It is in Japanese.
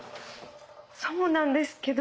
そうなんですけど。